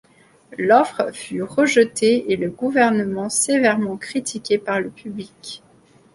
L'offre fut rejetée, et le gouvernement sévèrement critiqué par le public.